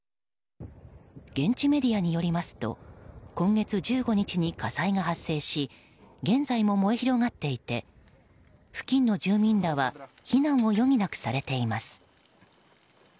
現地メディアによりますと今月１５日に火災が発生し現在も燃え広がっていて付近の住民らは避難を余儀なくされています。